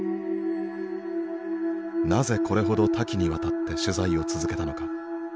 なぜこれほど多岐にわたって取材を続けたのか。